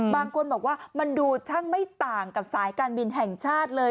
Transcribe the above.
บางคนบอกว่ามันดูช่างไม่ต่างกับสายการบินแห่งชาติเลย